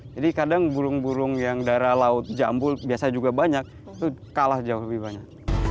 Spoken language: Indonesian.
jadi kadang burung burung yang daerah laut jambul biasa juga banyak itu kalah jauh lebih banyak